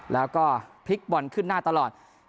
แล้วก็พลิกบอลขึ้นหน้าตลอด